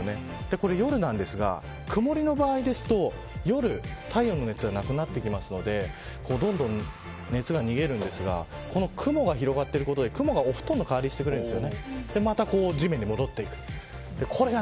これ夜なんですが曇りの場合ですと夜、太陽の熱がなくなってくるのでどんどん熱が逃げるんですがこの雲が広がっていることで雲がお布団の代わりをしてくれるんです。